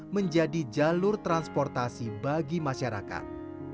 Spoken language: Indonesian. menjadi jalur transportasi bagi masyarakat